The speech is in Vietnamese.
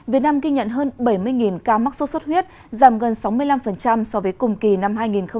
việt nam ghi nhận hơn bảy mươi ca mắc sốt xuất huyết giảm gần sáu mươi năm so với cùng kỳ năm hai nghìn một mươi tám